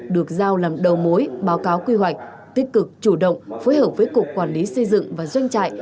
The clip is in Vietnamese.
được giao làm đầu mối báo cáo quy hoạch tích cực chủ động phối hợp với cục quản lý xây dựng và doanh trại